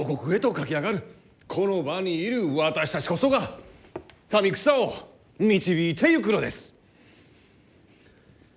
この場にいる私たちこそが民草を導いていくのです！